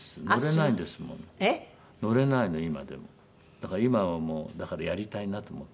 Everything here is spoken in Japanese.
だから今はもうだからやりたいなと思って。